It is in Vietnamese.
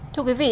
thưa quý vị